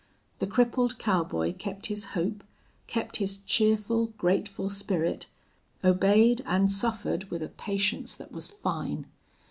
The crippled cowboy kept his hope, kept his cheerful, grateful spirit, obeyed and suffered with a patience that was fine.